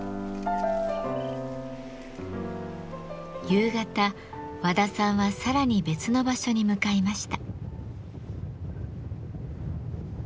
夕方和田さんはさらに別の場所に向かいました。